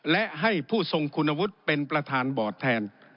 และให้ผู้ทรงคุณวุฒิเป็นประธานบอร์ดแทน